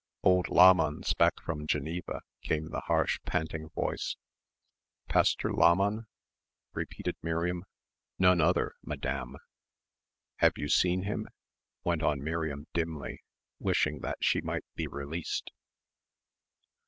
"Old Lahmann's back from Geneva," came the harsh panting voice. "Pastor Lahmann?" repeated Miriam. "None other, Madame." "Have you seen him?" went on Miriam dimly, wishing that she might be released.